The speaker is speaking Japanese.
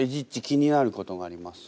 気になることがあります。